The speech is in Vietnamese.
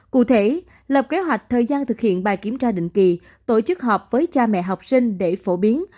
cụ thể lập kế hoạch thời gian thực hiện bài kiểm tra định kỳ tổ chức họp với cha mẹ học sinh để phổ biến